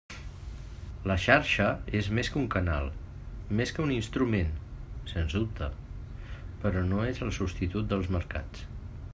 La Xarxa és més que un canal, més que un instrument, sens dubte, però no és el substitut dels mercats.